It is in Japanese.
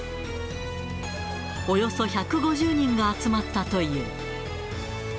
およそ１５０人が集まったという。